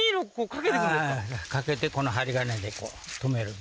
かけてこの針金で留める